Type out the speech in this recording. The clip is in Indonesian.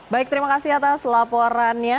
baik terima kasih atas laporannya